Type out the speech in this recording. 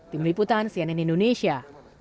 tim liputan cnn indonesia